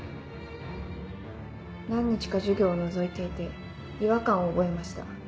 何日か授業をのぞいていて違和感を覚えました。